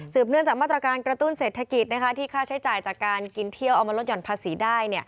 เนื่องจากมาตรการกระตุ้นเศรษฐกิจที่ค่าใช้จ่ายจากการกินเที่ยวเอามาลดห่อนภาษีได้